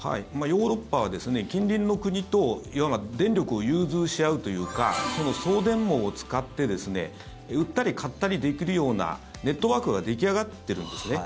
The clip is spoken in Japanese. ヨーロッパは近隣の国といわば電力を融通し合うというか送電網を使って売ったり買ったりできるようなネットワークが出来上がってるんですね。